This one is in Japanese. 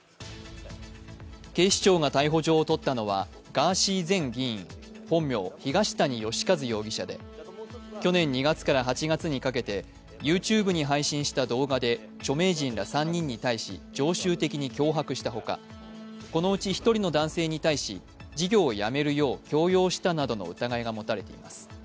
警視庁が逮捕状を取ったのは、ガーシー前議員、本名・東谷義和容疑者で、去年２月から８月にかけてＹｏｕＴｕｂｅに配信した動画で著名人ら３人に対し、常習的に脅迫したほか、このうち１人の男性に対し事業をやめるよう強要したなどの疑いが持たれています。